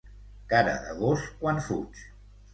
Cara de gos quan fuig.